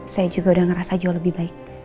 saya juga udah ngerasa jauh lebih baik